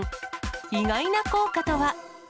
意外な効果とは？